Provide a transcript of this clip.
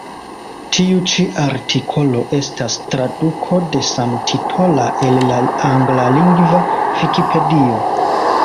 Tiu ĉi artikolo estas traduko de samtitola el la anglalingva Vikipedio.